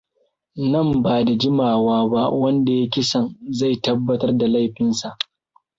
Nan ba da jimawa ba wanda ya yi kisan zai tabbatar da laifinsa.